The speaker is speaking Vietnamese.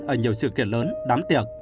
ở nhiều sự kiện lớn đám tiệc